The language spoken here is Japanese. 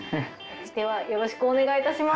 ではよろしくお願いいたします。